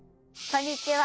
・こんにちは。